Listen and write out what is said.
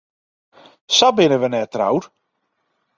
Sa binne wy net troud.